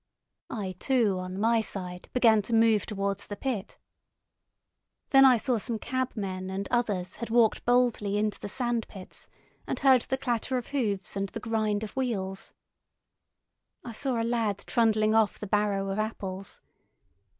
I, too, on my side began to move towards the pit. Then I saw some cabmen and others had walked boldly into the sand pits, and heard the clatter of hoofs and the gride of wheels. I saw a lad trundling off the barrow of apples.